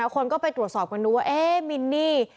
คนก็ไปตรวจสอบมาดูว่าเอ๊ะเงี่ยมินนี่